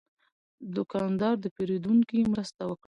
دوکاندار د پیرودونکي مرسته وکړه.